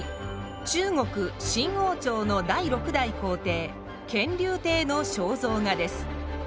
中国清王朝の第６代皇帝乾隆帝の肖像画です。